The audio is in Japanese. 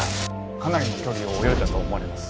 かなりの距離を泳いだと思われます。